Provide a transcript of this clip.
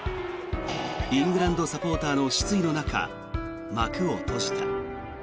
イングランドサポーターの失意の中、幕を閉じた。